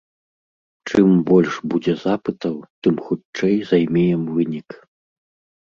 Чым больш будзе запытаў, тым хутчэй займеем вынік.